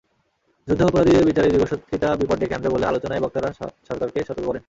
যুদ্ধাপরাধীদের বিচারে দীর্ঘসূত্রতা বিপদ ডেকে আনবে বলে আলোচনায় বক্তারা সরকারকে সতর্ক করেন।